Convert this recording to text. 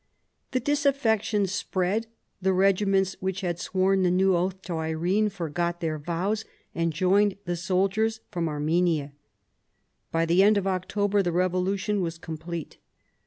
The disaffection spread ; the regiments which had sworn the new oath to Irene forgot their vows and joined the soldiers from Ar menia. By the end of October the revolution was complete.